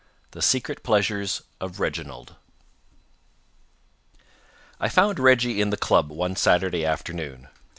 THE SECRET PLEASURES OF REGINALD I found Reggie in the club one Saturday afternoon.